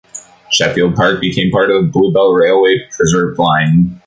Sheffield Park became part of the Bluebell Railway preserved line.